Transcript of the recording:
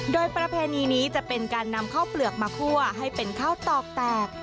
โดยประเพณีนี้จะเป็นการนำข้าวเปลือกมาคั่วให้เป็นข้าวตอกแตก